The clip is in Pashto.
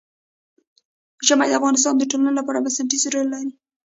ژمی د افغانستان د ټولنې لپاره بنسټيز رول لري.